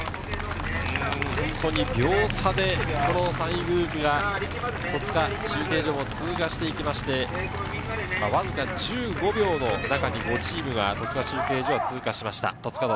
秒差で３位グループが戸塚中継所を通過していってわずか１５秒の中に５チームが戸塚中継所を通過しました。